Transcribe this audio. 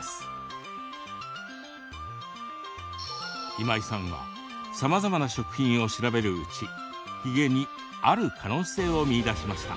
今井さんは、さまざまな食品を調べるうち、ヒゲにある可能性を見出しました。